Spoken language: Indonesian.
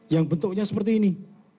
yang bentuknya seperti ini